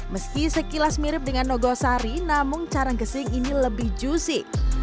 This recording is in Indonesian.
meski sekilas mirip dengan nogosari namun carang gesing ini lebih juicy